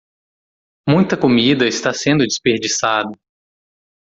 Muita comida está sendo desperdiçada.